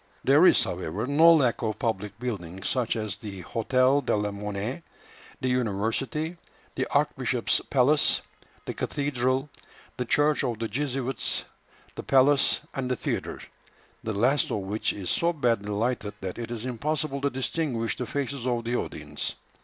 There is, however, no lack of public buildings, such as the Hôtel de la Monnaie, the university, the archbishop's palace, the cathedral, the church of the Jesuits, the palace, and the theatre, the last of which is so badly lighted that it is impossible to distinguish the faces of the audience.